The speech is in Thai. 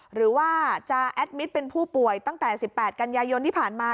หรือว่าจะแอดมิตรเป็นผู้ป่วยตั้งแต่๑๘กันยายนที่ผ่านมา